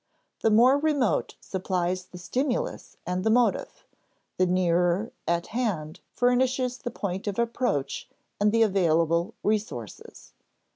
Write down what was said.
The more remote supplies the stimulus and the motive; the nearer at hand furnishes the point of approach and the available resources.